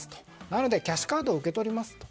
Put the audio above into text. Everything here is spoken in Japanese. なので、キャッシュカードを受け取りますと。